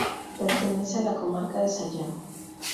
Pertenece a la comarca de Sayago.